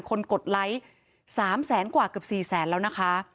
กดไลค์๓แสนกว่าเกือบ๔แสนแล้วนะคะ